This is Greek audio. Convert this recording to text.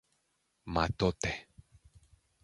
Μα τότε